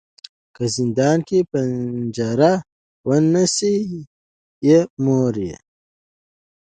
که زندان که پنجره وه نس یې موړ وو